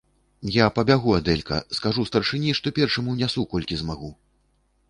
Я пабягу, Адэлька, скажу старшынi, што першым унясу, колькi змагу...